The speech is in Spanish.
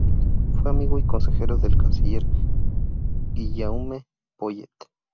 Fue amigo y consejero del canciller Guillaume Poyet.